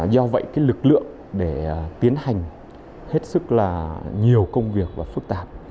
do vậy cái lực lượng để tiến hành hết sức là nhiều công việc và phức tạp